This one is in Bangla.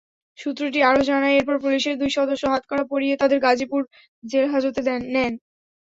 সূত্রটি আরও জানায়, এরপর পুলিশের দুই সদস্য হাতকড়া পরিয়ে তাঁদের গাজীপুর জেলহাজতে নেন।